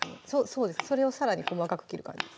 そうですそれをさらに細かく切る感じ